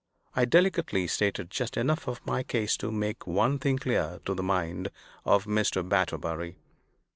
I delicately stated just enough of my case to make one thing clear to the mind of Mr. Batterbury.